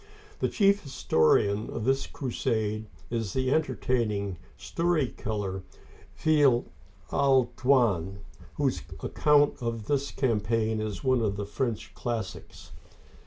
The chief historian of this crusade is the entertaining story teller, Villehardouin (veel ar dwaN'), Carcassonne. whose account of this campaign is one of the French classics.